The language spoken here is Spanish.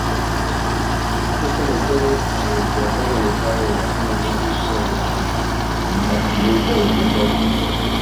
Esto mantiene al peatón alejado de las zonas más rígidas del compartimento del motor.